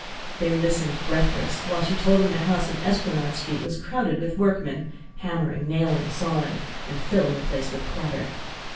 They listened, breathless, when she told them the house in Esplanade Street was crowded with workmen, hammering, nailing, sawing, and filling the place with clatter.